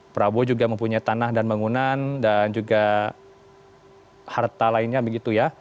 prabowo juga mempunyai tanah dan bangunan dan juga harta lainnya begitu ya